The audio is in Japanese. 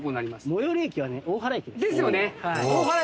最寄駅は大原駅です。ですよね！